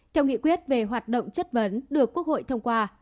theo nghị quyết về hoạt động chất vấn được quốc hội thông qua